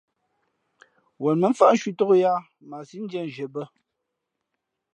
Wen mάmfάʼ cwītōk yāā mα a síʼ ndīē nzhie bᾱ.